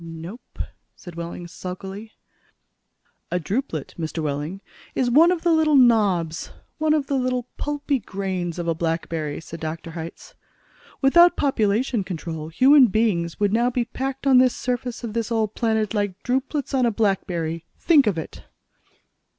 "Nope," said Wehling sulkily. "A drupelet, Mr. Wehling, is one of the little knobs, one of the little pulpy grains of a blackberry," said Dr. Hitz. "Without population control, human beings would now be packed on this surface of this old planet like drupelets on a blackberry! Think of it!"